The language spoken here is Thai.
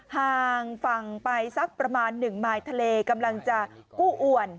ห่างฝั่งไปสักประมาณ๑มายทะเลกำลังจะกู้อวน